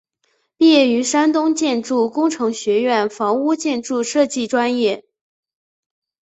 毕业于山东建筑工程学院房屋建筑设计专业。